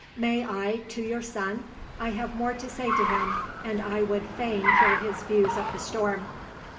May I to your son? I have more to say to him, and I would fain hear his views of the storm."